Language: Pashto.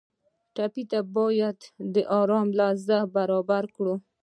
ټپي ته باید د ارامۍ لحظې برابرې کړو.